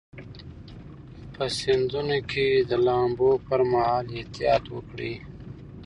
په سیندونو کې د لامبو پر مهال احتیاط وکړئ.